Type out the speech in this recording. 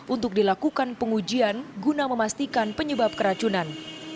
untuk dilakukan pengujian guna memastikan penyebab keracunan